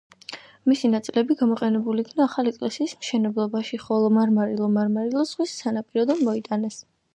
მისი ნაწილები გამოყენებულ იქნა ახალი ეკლესიის მშენებლობაში, ხოლო მარმარილო მარმარილოს ზღვის სანაპიროდან მოიტანეს.